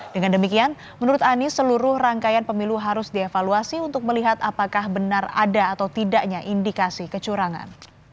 dengan demikian menurut anies seluruh rangkaian pemilu harus dievaluasi untuk melihat apakah benar ada atau tidaknya indikasi kecurangan